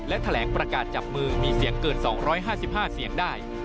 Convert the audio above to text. และแถลงประกาศจับมือมีเสียงเกิน๒๕๕เสียงได้